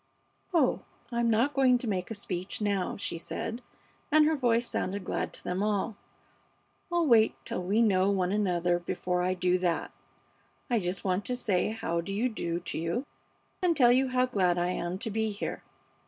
"Oh, I'm not going to make a speech now," she said, and her voice sounded glad to them all. "I'll wait till we know one another before I do that. I just want to say how do you do to you, and tell you how glad I am to be here.